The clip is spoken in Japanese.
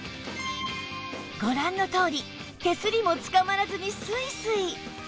ご覧のとおり手すりもつかまらずにスイスイ！